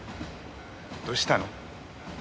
どうしたの？